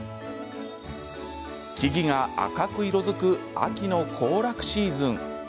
木々が赤く色づく秋の行楽シーズン。